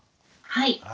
はい。